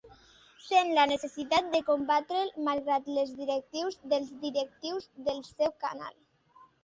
Sent la necessitat de combatre'l malgrat les directrius dels directius del seu canal.